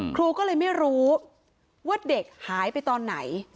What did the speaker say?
ครูก็เลยไม่รู้ว่าเด็กหายไปตอนไหน